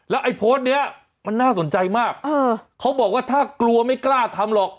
ไอ้โพสต์เนี้ยมันน่าสนใจมากเขาบอกว่าถ้ากลัวไม่กล้าทำหรอก